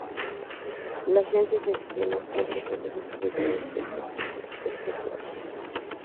La agencia gestiona trenes, autobuses, y vehículos de transportes especiales.